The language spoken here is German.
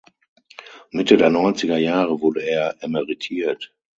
Mitte der Neunziger Jahre wurde er emeritiert.